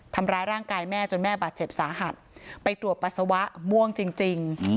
ทำร้ายร่างกายแม่จนแม่บาดเจ็บสาหัสไปตรวจปัสสาวะม่วงจริง